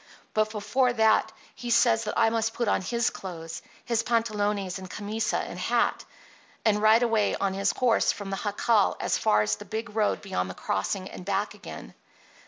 But before that he says that I must put on his clothes, his pantalones and camisa and hat, and ride away on his horse from the jacal as far as the big road beyond the crossing and back again.